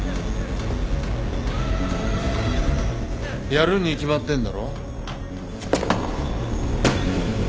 やるに決まってんだろ。